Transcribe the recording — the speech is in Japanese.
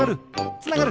つながる！